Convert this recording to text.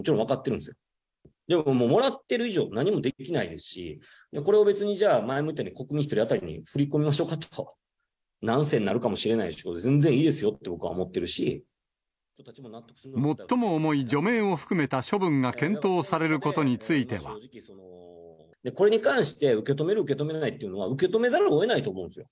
でももう、もらってる以上、何もできないですし、これを別にじゃあ、別に国民１人当たりに振り込みをしようかと、何銭になるかもしれないですし、全然いいですよと、僕は思ってる最も重い除名を含めた処分がこれに関して、受け止める、受け止めないというのは、受け止めざるをえないと思うんですよ。